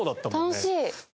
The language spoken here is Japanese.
楽しい。